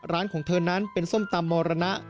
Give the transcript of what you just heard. ของเธอนั้นเป็นส้มตำมรณะ